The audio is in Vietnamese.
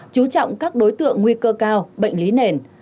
chú trọng các đối tượng nguy cơ cao bệnh lý nền